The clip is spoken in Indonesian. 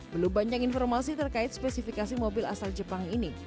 belum banyak informasi terkait spesifikasi mobil asal jepang ini